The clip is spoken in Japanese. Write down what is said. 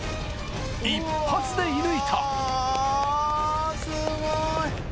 ・一発で射抜いたすごい！